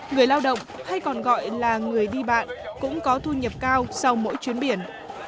người lao động hay còn gọi là người đi bạn cũng có thu nhập cao sau mỗi chuyến biển